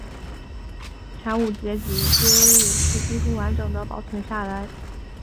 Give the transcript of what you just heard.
前五节背椎也是几乎完整地保存下来。